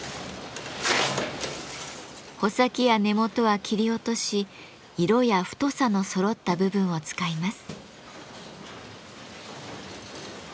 穂先や根元は切り落とし色や太さのそろった部分を使います。